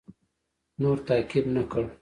نور تعقیب نه کړ.